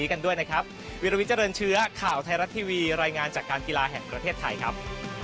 ข่าวไทยรัฐทีวีรายงานจากการกีฬาแห่งประเทศไทยครับ